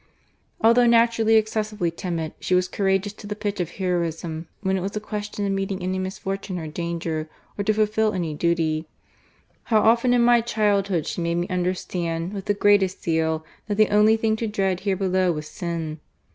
Although naturally excessively timid, she was courE^eous to the pitch of heroism when it was a question of meeting any misfortune or danger ; or to fulfil any duty. How often in my childhood she made me understand, with the greatest zeal, that the only thing to dread here below was sin